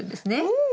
うん！